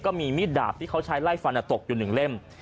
มีดดาบที่เขาใช้ไล่ฟันตกอยู่๑เล่ม